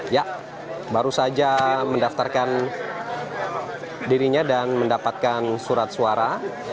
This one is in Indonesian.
ya baru saja mendaftarkan dirinya dan mendapatkan surat suara